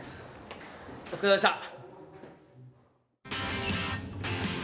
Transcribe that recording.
お疲れさまでした。